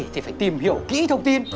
thì phải tìm hiểu kỹ thông tin